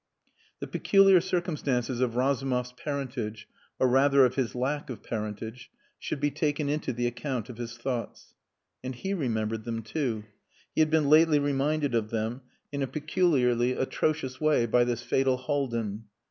The peculiar circumstances of Razumov's parentage, or rather of his lack of parentage, should be taken into the account of his thoughts. And he remembered them too. He had been lately reminded of them in a peculiarly atrocious way by this fatal Haldin.